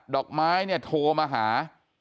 ดอกไม้โทรมาหา